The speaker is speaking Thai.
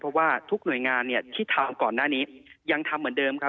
เพราะว่าทุกหน่วยงานเนี่ยที่ทำก่อนหน้านี้ยังทำเหมือนเดิมครับ